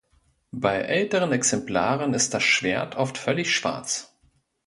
Bei älteren Exemplaren ist das Schwert oft völlig schwarz.